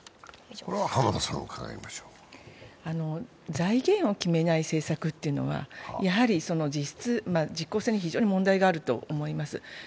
財源を決めない政策というのは実効性に非常に問題があると思います。